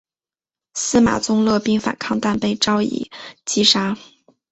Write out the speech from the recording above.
司马宗勒兵反抗但被赵胤击杀。